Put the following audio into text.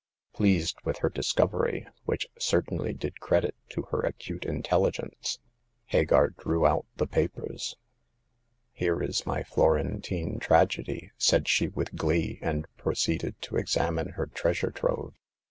Pleased with her discovery — which certainly did credit to her acute intelligence — Hagar drew out the The Ninth Customer. 233 papers. " Here is my Florentine tragedy !" said she, with glee, and proceeded to examine her treasure trove.